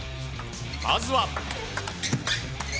まずは。